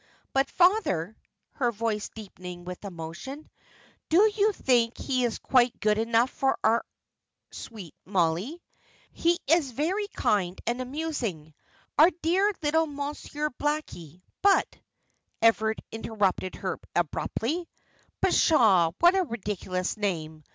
But, father," her voice deepening with emotion, "do you think he is quite good enough for our sweet Mollie? He is very kind and amusing our dear little Monsieur Blackie, but " Everard interrupted her abruptly. "Pshaw, what a ridiculous name!